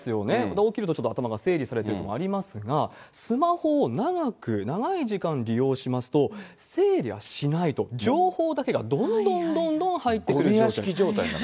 起きると、ちょっと頭が整理されるとかありますが、スマホを長く、長い時間、利用しますと、整理はしないと、情報だけがどんどんどごみ屋敷状態になる。